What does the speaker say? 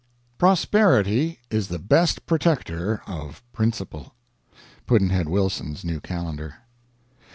Prosperity is the best protector of principle. Pudd'nhead Wilson's New Calendar.